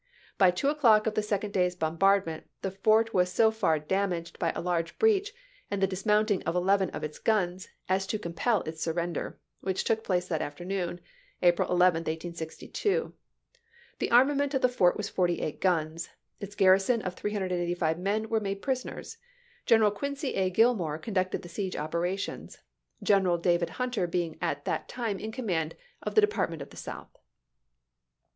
By two o'clock of the second day's bombardment the fort was so far damaged by a large breach and the dismounting of eleven of its guns as to compel its surrender, which took Gillmore, o jr 7 ocr2o; place that afternoon, April 11, 1862. The arma ^"voi. vi.f* ment of the fort was forty eight guns; its garrison i)i>. 149, 155 ^£ 2g5 men were made prisoners. General Quincy A. Gillmore conducted the siege operations. General David Hunter being at that time in command of the Department of the South.